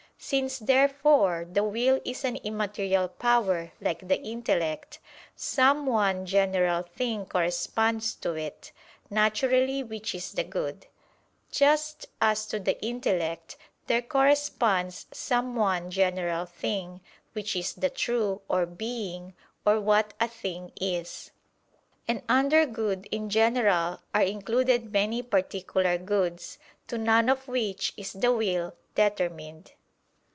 Since, therefore, the will is an immaterial power like the intellect, some one general thing corresponds to it, naturally which is the good; just as to the intellect there corresponds some one general thing, which is the true, or being, or "what a thing is." And under good in general are included many particular goods, to none of which is the will determined.